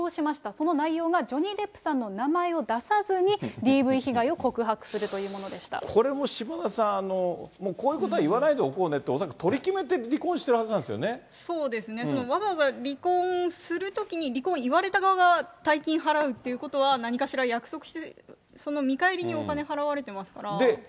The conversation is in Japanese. その内容がジョニー・デップさんの名前を出さずに、ＤＶ被害を告白するというこれも島田さん、もうこういうことは言わないでおこうねと、恐らく取り決めて離婚しているはそうですね、それわざわざ離婚するときに離婚を言われた側が大金払うということは、何かしら約束、その見返りにお金を払われてますから。